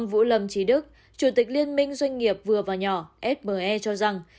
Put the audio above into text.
vũ lâm trí đức chủ tịch liên minh doanh nghiệp vừa và nhỏ fme cho rằng